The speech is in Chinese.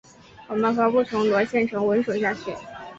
我们何不重夺县城稳守下去？